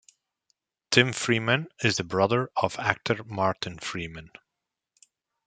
Tim Freeman is the brother of actor Martin Freeman.